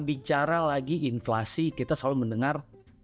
bicara lagi inflasi kita selalu mendengar